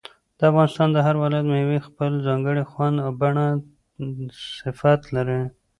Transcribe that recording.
د افغانستان د هر ولایت مېوې خپل ځانګړی خوند، بڼه او صفت لري.